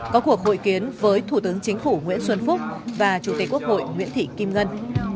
có cuộc hội kiến với thủ tướng chính phủ nguyễn xuân phúc và chủ tịch quốc hội nguyễn thị kim ngân